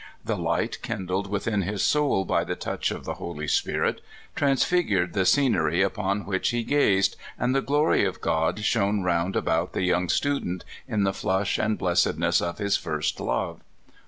The light kindled within his soul by the touch of the Holy Spirit transfigured the scenery upon which he gazed, and the glory of God shone round about the young student in the flush and blessedness of his first love.